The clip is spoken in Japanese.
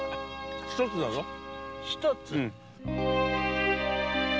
一つだぞ！